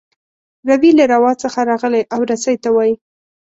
روي له روا څخه راغلی او رسۍ ته وايي.